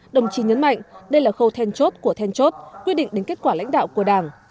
đồng chí nhấn mạnh đây là khâu then chốt của then chốt quyết định đến kết quả lãnh đạo của đảng